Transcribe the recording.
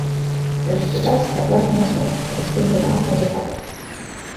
The device kept working as normal, with the spindle now pointed upright.